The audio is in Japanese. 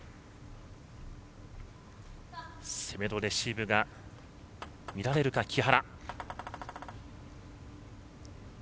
攻めのレシーブが見られるか木原。